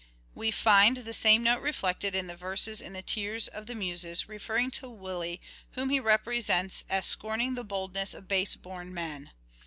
We find the same note reflected in the verses in " The Tears of the Muses " referring to Willie, whom he represents as " scorning the boldness of base born men."